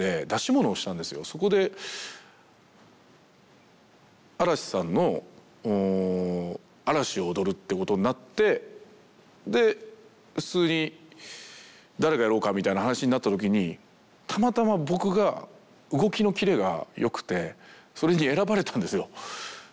そこで嵐さんの「Ａ・ＲＡ・ＳＨＩ」を踊るってことになってで普通に誰がやろうかみたいな話になったときにたまたま僕が動きのキレが良くてそれに選ばれたんですよ。